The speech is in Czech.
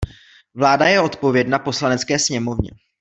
Vláda je odpovědna Poslanecké sněmovně.